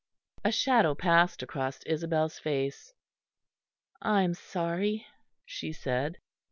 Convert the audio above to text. A shadow passed across Isabel's face. "I am sorry," she said.